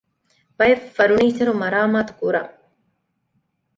ބައެއް ފަރުނީޗަރު މަރާމާތު ކުރަން